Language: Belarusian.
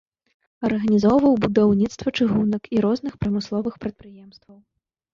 Арганізоўваў будаўніцтва чыгунак і розных прамысловых прадпрыемстваў.